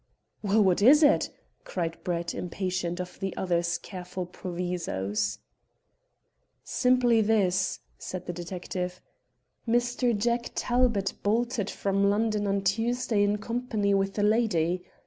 "Well, what is it?" cried Brett, impatient of the other's careful provisos. "Simply this," said the detective. "Mr. Jack Talbot bolted from London on Tuesday in company with a lady.